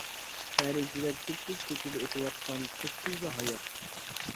خەرىتىدەك تۈپتۈز كوچىدا، ئۆتۈۋاتقان تۈپتۈزلا ھايات.